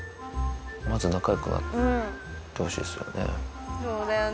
まず仲良くなってほしいですよね。